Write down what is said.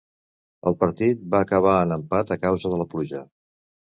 El partit va acabar en empat a causa de la pluja.